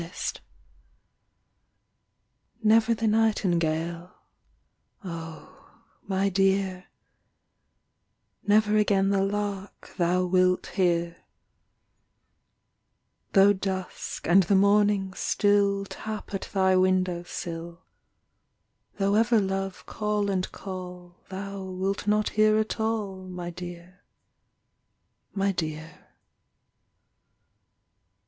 DIRGE Never the nightingale, Oh, my dear, Never again the lark Thou wilt hear; Though dusk and the morning still Tap at thy window sill, Though ever love call and call Thou wilt not hear at all, My dear, my dear.